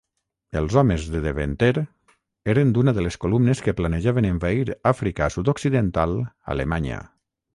Els homes de Deventer eren d'una de les columnes que planejaven envair Àfrica Sud-occidental Alemanya.